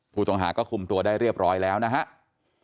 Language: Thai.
ผู้ต้องหาก็คุมตัวได้เรียบร้อยแล้วนะครับ